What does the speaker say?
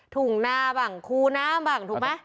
ถุงหน้าบ้างคูน้ำบ้างถูกไหม